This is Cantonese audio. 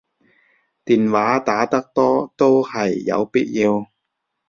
電話打得多都係有必要